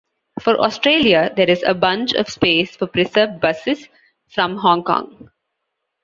For Australia, there is a bunch of space for preserved buses from Hong Kong.